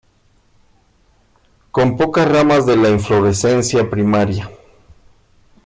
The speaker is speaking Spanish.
Con pocas ramas de la inflorescencia primaria.